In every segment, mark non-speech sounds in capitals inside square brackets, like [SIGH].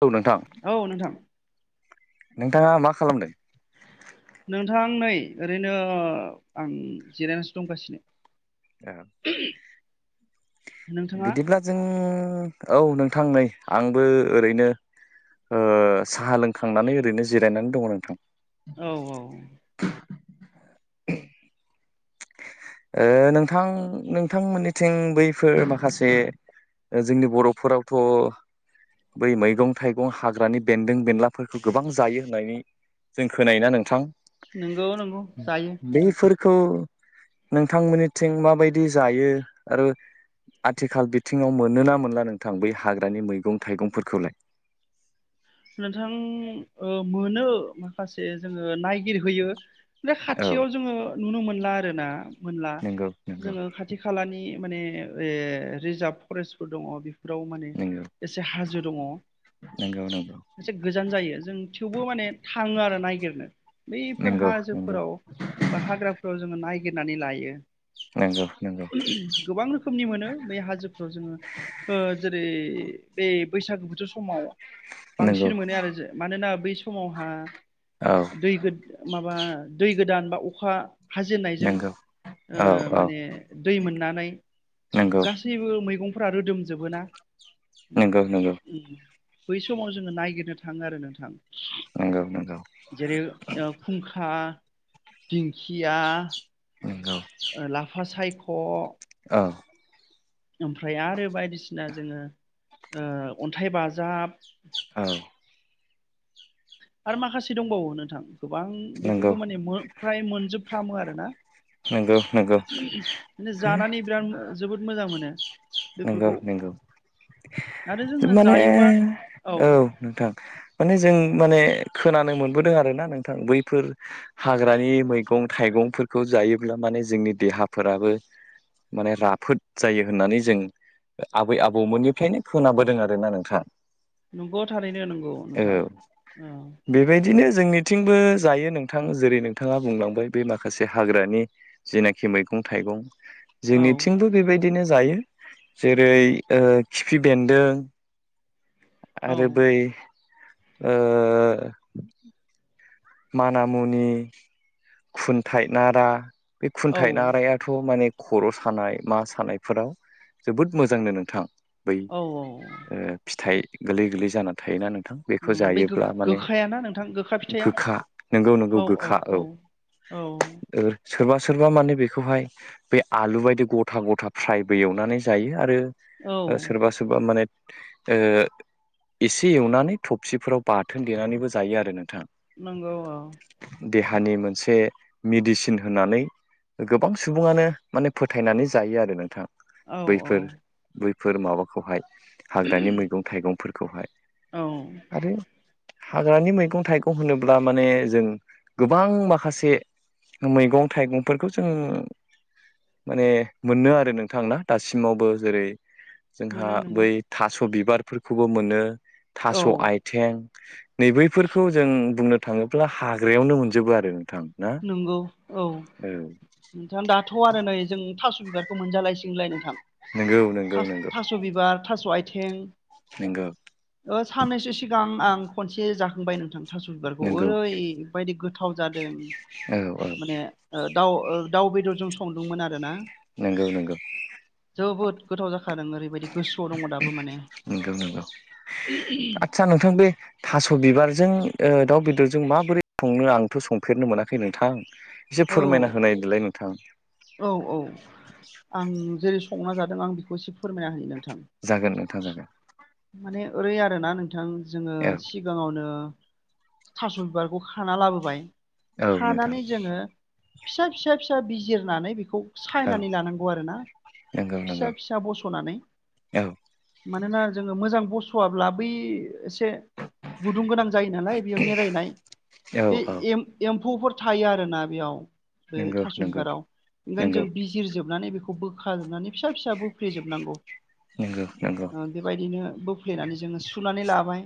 औ नोंथां औ नोंथां नोंथाङा मा खालामदों? नोंथां नै ओरैनो आं जिरायनासो दंगासिनो आ नोंथाङा बिदिब्ला जों औ नोंथां नै आंबो ओरैनो ओ साहा लोंखांनानै ओरैनो जिरायनानै दङ नोंथां औ औ [INAUDIBLE] ओ नोंथां नोंथांमोननिथिं बैफोर माखासे ओ जोंनि बर'फोरावथ' बै मैगं थाइगं हाग्रानि बेन्दों बेनलाफोरखौ गोबां जायो होननानै जों खोनाययना नोंथां नंगौ नंगौ जायो नोंथां बैफोरखौ नोंथांमोननिथिं माबायदि जायो आरो आथिखाल बिथिङाव मोनोना मोनला नोंथां बै हाग्रानि मैगं थाइगंफोरखौलाय? [INAUDIBLE] नोंथां ओ मोनो माखासे जोङो नायगिरहैयो ओमफ्राय औ खाथियाव जोङो नुनो मोनला आरो ना मोनला नंगौ नंगौ जोङो खाथि खालानि माने ओ रिजार्भ फरेस्टफोर दङ फोराव माने नंगौ एसे हाजो दङ नंगौ नंगौ एसे गोजान जायो जों थेवबो माने थाङो आरो नायगिरनो बैफोर नंगौ हाजोफोराव बा हाग्राफोराव जोङो नागिरनानै लायो। नंगौ नंगौ गोबां रोखोमनि मोनो बे हाजोफ्राव जोङो जेरै बे बैसागु बोथोर समाव नंगौ बांसिन मोनो आरो जों मानोना बै समावहा औ दै गोदान माबा दै गोदान बा अखा हाजेननायजों नंगौ औ औ माने दै मोननानै नंगौ गासैबो मैगंफोरा रोदोमजोबो ना नंगौ नंगौ समाव जोङो नायागिरनो थाङो आरो नोंथां। नंगौ नंगौ जेरै खुंखा दिंखिया नंगौ लाफा सायख' औ ओ ओमफ्राय आरो बायदिसिना जोङो अन्थाइ बाजाब औ आरो माखासे दंबावो नोंथां। गोबां नंगौ बेफोरखौ माने फ्राय मोनजोबफ्रामो आरो ना नंगौ नंगौ जानानै बिराद जोबोद मोजां मोनो। नंगौ बेफोरखौ नंगौ आरो जोङो माने जायोबा औ नोंथां माने जों माने खोनानो मोनबोदों आरो ना नोंथां बैफोर हाग्रानि मैगं थाइगंफोरखौ खौ जायोब्ला माने जोंनि देहाफोराबो माने राफोद जायो होननानै जों आबै आबौमोननिफ्रायनो खोनाबोदों आरो ना नोंथां नंगौ थारैनो नंगौ नोंथां औ औ बेबायदिनो जोंनिथिंबो जायो नोंथां जेरै नोंथाङा बुंलांबाय बे माखासे हाग्रानि जेनाखि मैगं थाइगं औ जोंनिथिंबो बेबायदि बिदिनो जायो जेरै खिफि ओ बेनदों औ आरो बै ओ मानामुनि खुनथाइ नारा बे औ खुनथाइ नारायाथ' माने खर' सानाय मा सानायफोराव जोबोद मोजांनो नोंथां। बै औ औ फिथाइ गोरलै गोरलै जाना थायोना नोंथां। बेखौ बै जायोब्ला माने गोखायाना नोंथां गोखा फिथाइया गोखा नोंगौ नोंगौ गोखा औ औ सोरबा सोरबा माने बेखौहाय बै आलु बायदि ग'था ग'था फ्रायबो एवनानै जायो आरो। औ सोरबा सोरबा माने ओ एसे एवनानै थबसिफोराव बाथोन देनानैबो जायो आरो नोंथां। नंगौ औ देहानि मोनसे मेडिसिन होननानै गोबां सुबुङानो माने फोथायनानै जायो आरो नोंथां। औ औ बैफोर बैफोर माबाखौहाय हाग्रानि मैगं थाइगंफोरखौहाय औ आरो हाग्रानि मैगं थाइगं होनोब्ला माने जों गोबां माखासे मैगं थाइगंफोरखौ जोङो माने मोनो आरो नोंथां ना दासिमावबो जेरै जोंहा मोनो नंगौ बै थास' बिबारफोरखौबो मोनो औ थास' आथिं जों बुंनो थाङोब्ला हाग्रायावनो मोनजोबो आरो। नोंथां ना नंगौ औ नोंथां दाथ' आरो नै जों थास' थ' बिबारखौ मोनजालायसिगोनलाय नोंथां नंगौ नंगौ थास' बिबार थास' आथिं नोंगौ। ओ सन्नैसो सिगां आं खनसे जाखांबाय नोंथां। थास बिबारखौ नंगौ ओरैबायदि गोथाव जादों। औ औ। माने ओ दाउ ओ दाउ बेदरजों संदोंमोन आरोना। नोंगौ नोंगौ। जोबोद गोथाव जाखादों ओरैबायदि गोसोयाव दङ दाबो माने। आतसा नोंथां बे थास' बिबारजों ओ दाव बेदरजों माबोरै संनो आंथ' संफेरनो मोनाखै नोंथां। एसे औ फोरमायना होनाय देलाय नोंथां औ औ आं जेरै संना जादों आं बेखौ एसे फोरमायना होनि नोंथां। जागोन नोंथां जागोन माने ओरै आरोना नों बिथां जोङो औ सिगाङावनो थास' बिबारखौ खाना लाबोबाय। औ नोंथां खानानै जोङो फिसा फिसा फिसा बिजिरनानै बिखौ औ सायनानै लानांगौ आरोना नंगौ फिसा नंगौ फिसा बस'नानै। औ मानोना जोङो मोजां बस'याब्ला बै एस से गुदुं गोनां जायो नालाय बेयो मेरायनाय औ बे औ एम एम फौफोर थायो आरोना बेयाव बे नंगौ थास' नंगौ बिबाराव। ओंखायनो नंगौ जों बिजिरजोबनानै बेखौ बो खाजोबनानै फिसा फिसा बोफ्लेजोबनांगौ। नंगौ नंगौ ओ बेबायदिनो बोफ्लेनानै जोङो सुनानै लाबाय।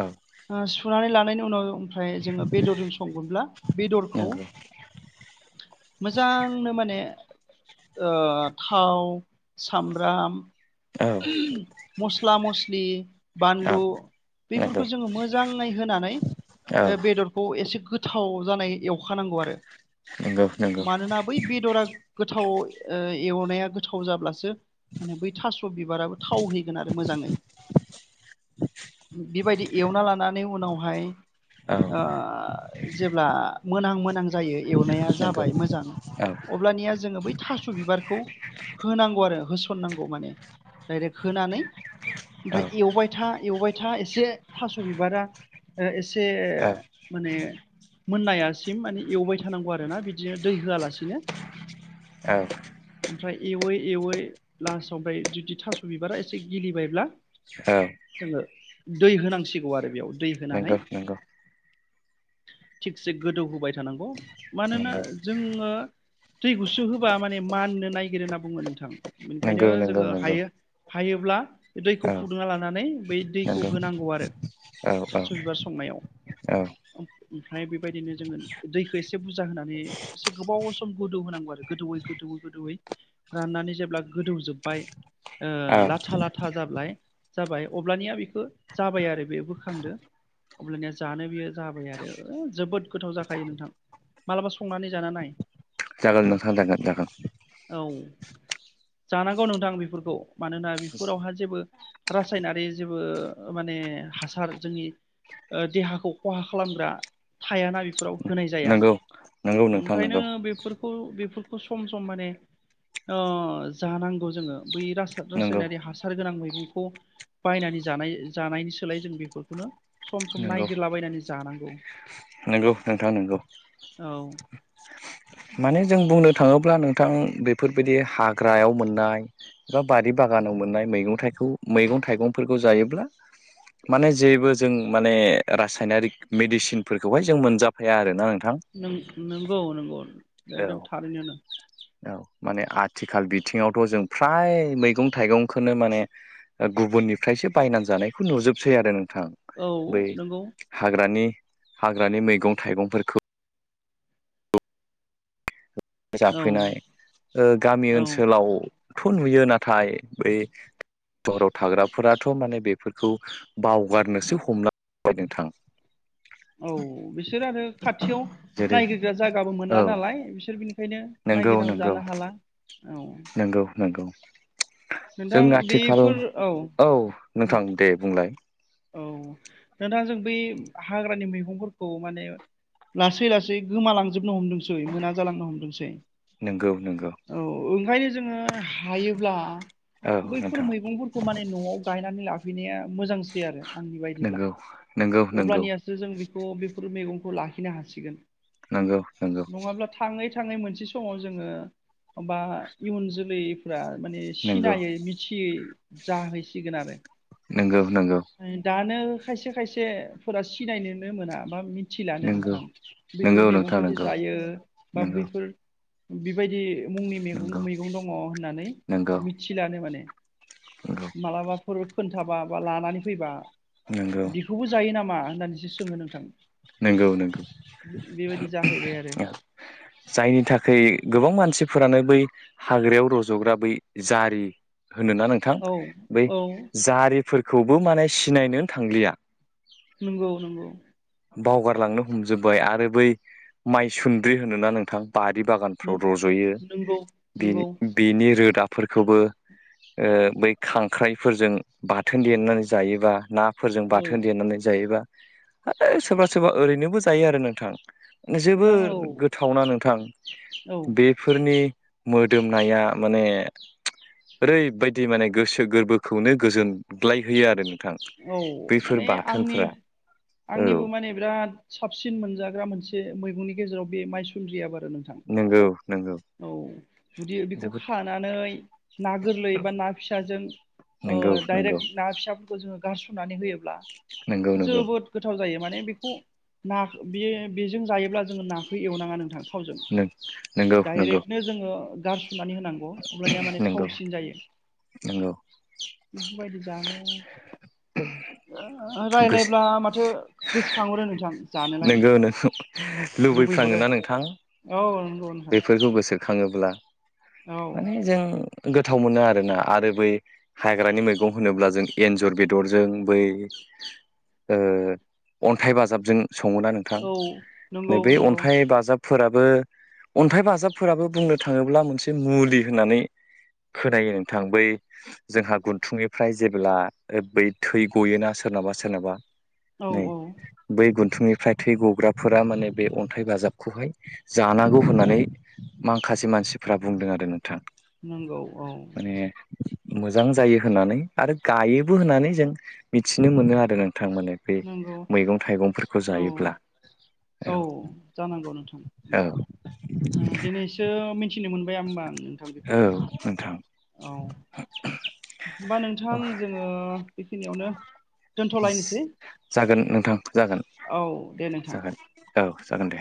औ सु सुनानै लानायनि उनाव ओमफ्राय जोङो बेदरजों संगोनब्ला बेदरखौ नंगौ मोजांनो माने ओ थाव सामब्राम औ मस्ला मस स्लि औ बानलु नंगौ बेफोरखौ जोङो मोजाङै होनानै औ ओ बेदरखौ एसे गोद थाव जानाय एवखा नां नंगौ नंगौ मानोना बै बेदरा गोथाव ओ एवनाया गोथाव जाब्लासो माने बै थास' बिबाराबो थाव हैगोन आरो मोजाङै। बिबायदि एवना लानानै उनाव हाय औ ओ जेब्ला मोनहां मोन जायो एवनाया नंगौ जाबाय मोजां औ अब्लानिया जोङो बै थास' बिबारखौ होनांगौ आरो होस सन नांगौ माने। दाइरेक्ट होनानै औ ओमफ्राय एवबाय था एवबाय था एसे थास' बिबारा ओ एसे औ माने मोन्नायासिम माने एवबाय थानांगौ आरो ना बिदिनो दै होआलासिनो। औ। ओमफ्राय एवै एवै लासाव ओमफाय जुदि थास' बिबारा एसे गिलिबायब्ला औ जोङो दै होनांसिगौ आरो बेयाव। दै होनानै नोंगौ नोंगौ। थिगसे गोदौ होबाय थानांगौ। मानोना नंगौ जोङो दै गुसु होबा माने माननो नायगिरो होनना बुङो नोंथां। बेनिखायनो नंगौ नंगौ जोङो नंगौ हायो हायोब्ला दैखौ औ फुदुंना लानानै बै दैखौ नंगौ होनांगौ आरो। थास' बिबार संनायाव। औ ओ ओमफ्राय बिबायदिनो जोङो दैखो एसे बुरजा होनानै एसे गोबाव सम गोदौ होनांगौ आरो गोदौयै गोदौयै गोदौयै रान नानै जेब्ला गोदौ जोब्बाय औ ओ लाथा लाथा जाब्लाय जाबाय अब्लानिया बेखो जाबाय आरो बे बोखांदो। अब्लानिया जानो बियो जाबाय आरो। ओ जोबोद गोथाव जा खायो नोंथां मालाबा संनानै जाना नाय। जागोन नोंथां जागोन जागोन। औ जानांगौ नोंथां बेफोरखौ मानोना बेफोरावहाय जेबो रासायनारि जेबो माने माने हासार जोंनि देहाखौ खहा खालामग्रा थायाना बेफोराव होनाय जाया नंगौ नंगौ नोंथां ओंखायनो नंगौ बेफोरखौ बेफोरखौ सम सम माने जानांगौ जोङो बै नंगौ रासायनारि हासार गोनां मैगंखौ बायनानै जानाय जानायनि सोलाय जों बेफोरखौनो सम सम नंगौ नायगिरलाबायनानै जानांगौ। नंगौ नोंथां नंगौ औ माने जों बुंनो थाङोब्ला नोंथां बेफोरबायदि हाग्रायाव मोननाय एबा बारि बागा बागानाव मोननाय मैगं थाइग मैगं थाइगंफोरखौ जायोब्ला। माने जेबो जों माने रासायनारिक मेडिसिनफोरखौहाय जों मोनजाफाया आरोना नोंथां। नों नंगौ नंगौ औ एकदम थारैनो औ माने आथिखाल बिथिङावथ' जों फ्राय मैगं थाइगंखौनो माने गुब गुबुननिफ्रायसो बायनानै जानायखौ नुजोबसै आरो नोंथां औ बै नंगौ हाग्रानि हाग्रानि मैगं थाइगंफोरखौ औ जाफैनाय गामि औ ओनसोलावथ' नुयो नाथाय बै सहराव थाग्राफोरा थ' माने बेफोरखौ बावगारनोसो हमलांबाय नोंथां। औ बिसोर आरो खाथियाव जेरै नायग्रोग्रा जायगाबो औ मोनला नालाय बिसोर बिनि खायनो नंगौ नायगिरनाबो नंगौ जानो हाला औ नंगौ नंगौ। जों नोंथां आथिखाल बेफोर औ नोंथां दे बुंलाय। दोंथां जों बै हाग्रानि मैगंफोरखौ माने लासै लासै गोमालां जोबनो हमदोंसै मोना जालांनो हमदोंसै नोंगौ नोंगौ औ ओंखाय जोङो हायोब्ला औ बैफोर नोंथां मैगंफोरखौ माने न'आव गायनानै लाफैनाया मोजां आंनि बायदिब्ला नोंगौ नोंगौ नोंगौ अब्लानियासो जों बैफोर मेगंखौ खौ लाखिनो हासिगोन। नंगौ नंगौ। थांनाय मोनसे समाव जोङो होमबा इयुन जोलैफ्रा माने नोंगौ सिनायै मिथियै जाहैसिगोन आरो। नोंगौ नोंगौ दानो खायसे खायसेफोरा सिनायनोनो मोना बा मिथि मिथिलानो नोंगौ नोंथां बैफोर नोंगौ नोंथां मैगंखौ जे नोंगौ जायो बा नोंगौ बैफोर बिबायदि मुंनि मैगं नोंगौ मैगं दङ' होननानै नोंगौ मिथिलानो माने मालाबाफोर खोन्थाबा बा लानानै फैबा नोंगौ बिखौबो जायो नामा होननानैसो सोङो नोंथां। नंगौ नंगौ बे- बेबायदि जाहैबाय आरो औ जायनि थाखाय गोबां मानसि फोरानो बै हाग्रायाव रज'ग्रा बै जारि होनोना नोंथां औ बै औ जारिफोरखौबो माने सिनायनोन थांलिया। नंगौ नंगौ। बावगारलांनो हमजोबबाय आरो बै माइसुन्द्रि होनोना नोंथां। बारि बागानफ्राव नों- रज'यो नंगौ बिनि नंगौ बिनि रोदा फोरखौबो ओ बै खांख्राइफोरजों बाथोन देनानै जायोबा ना फोरजों औ बाथोन देनानै जायोबा है सोरबा सोरबा ओरैनोबो जायो आरो नोंथां। माने जोबोर नोंथां औ गोथावना नोंथां औ बेफोरनि मोदोमनाया माने ओरैबायदि माने गोसो गोरबोखौनो गोजोनग्लायहोयो आरो नों थां औ बैफोर माने आंनि बाथोनफोरा। औ आंनिबो माने बिराद साबसिन मोनजाग्रा मोनसे मैगंनि गेजेराव बे माइसुनद्रि आबाद आरो नोंथां नंगौ। नंगौ औ जुदि बेखौ जोबोद खानानै ना गोरलै बा ना फिसाजों अ नंगौ नंगौ डाइरेक्ट ना फिसा खौजोङो गारसननानै होयोब्ला नंगौ नंगौ जोबोद गोथाव जायो माने बेखौ ना बियो बिजों जायोब्ला जों नाखो एवनाङा नोंथां थावजों नंगौ नंगौ डाइरेक्टनो जोङो गारस सनानै होनांगौ अब्लानिया माने नंगौ थावसिन जायो नंगौ बेफोर बायदि जानो [INAUDIBLE] गोसो रायलायब्ला माथो गोसो खांहरो नोंथां जानो लागै नोंगौ नों लुबैहरो। लुबैफ्राङोना नोंथां औ नंगौ नोंथां खाङोब्ला औ माने जों गोथाव मोनो आरोना आरो बै हाग्रानि मैगं होनोब्ला जों एन्जर बेदरजों बै ओ अन्थाइ बाजाबजों सङोना नोंथां औ नंगौ नै बे नंगौ अन्थाइ बाजाब फोराबो अन्थाइ बाजाबफोराबो बुंनो थाङोब्ला मोनसे मुलि होननानै खोनायो नोंथां बै जोंहा गुनथुंनिफ्राय जेब्ला बै थै गयोना सो सोरनाबा सोरनाबा औ नै औ बै गुन्थुंनिफ्राय थै गग्राफोरा माने बे अन्थाइ बाजाबखौहाय जानांगौ होननानै माखासे मानसिफ्रा बुंदों आरो नोंथां। नंगौ औ। माने मोजां जायो होननानै आरो गायोबो होननानै जों मिथिनो मोनो आरो नों थां माने बे नंगौ मैगं थाइगंफोरखौ औ जायोब्ला। औ जानांगौ नोंथां औ होमबा ओ दिनैसो मिथिनो मोन बाय होमबा आं नोंथां बेखौ औ नोंथां औ होमबा नोंथां जोङो बेखिनियावनो दोनथ'लायनोसै। जागोन नोंथां जागोन औ दे नोंथां जागोन औ जागोन दे।